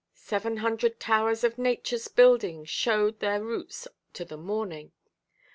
Seven hundred towers of Natureʼs building showed their roots to the morning.